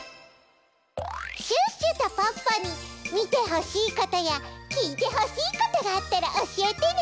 シュッシュとポッポにみてほしいことやきいてほしいことがあったらおしえてね！